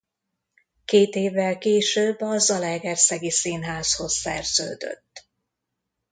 Két évvel később a zalaegerszegi színházhoz szerződött.